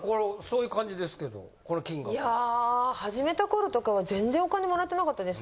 いや始めた頃とかは全然お金貰ってなかったです。